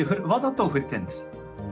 わざと振れてるんです。